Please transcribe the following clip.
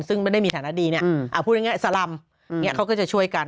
ซึ่งไม่ได้มีฐานะดีเนี่ยพูดง่ายสลำเขาก็จะช่วยกัน